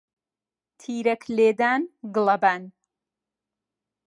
تیرەک لێدان، گڵەبان